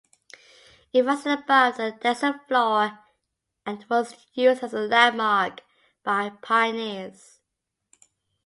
It rises above the desert floor and was used as a landmark by pioneers.